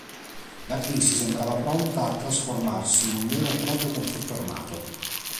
La crisi sembrava pronta a trasformarsi in un vero e proprio conflitto armato.